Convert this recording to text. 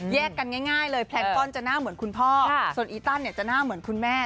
กันง่ายเลยแพลนป้อนจะหน้าเหมือนคุณพ่อส่วนอีตันเนี่ยจะหน้าเหมือนคุณแม่